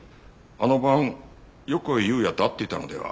あの晩横井友哉と会っていたのでは？